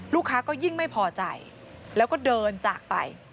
ก็ยิ่งไม่พอใจแล้วก็เดินจากไป